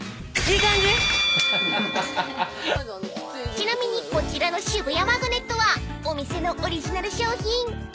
［ちなみにこちらの渋谷マグネットはお店のオリジナル商品］